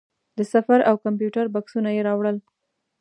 د سفر او کمپیوټر بکسونه یې راوړل.